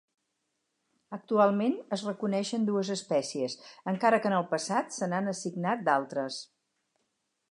Actualment es reconeixen dues espècies, encara que en el passat se'n han assignat d'altres.